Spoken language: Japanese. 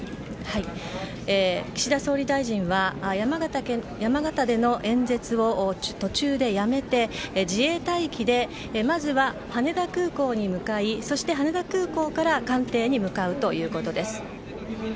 岸田総理大臣は山形での演説を途中でやめて、自衛隊機でまずは羽田空港に向かいそして羽田空港から官邸に向かうということです。